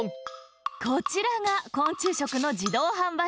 こちらが昆虫食の自動販売機。